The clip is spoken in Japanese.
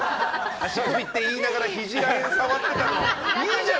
足首って言いながらひじら辺触ってたの。